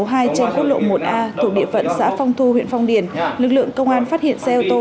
trên quốc lộ một a thuộc địa phận xã phong thu huyện phong điền lực lượng công an phát hiện xe ô tô